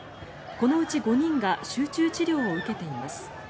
このうち５人が集中治療を受けています。